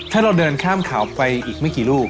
ถ้าเราเดินข้ามเขาไปอีกไม่กี่ลูก